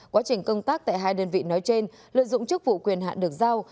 quá trình công tác tại hai đơn vị nói trên lợi dụng chức vụ quyền hạn được giao